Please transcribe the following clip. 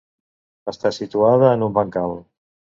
Està situada en un bancal.